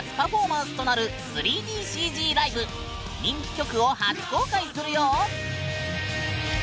人気曲を初公開するよ！